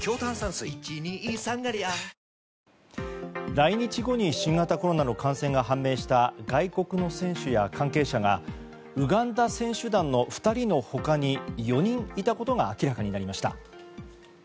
来日後に新型コロナの感染が判明した外国の選手や関係者がウガンダ選手団の２人の他に４人いたことが明らかになりました。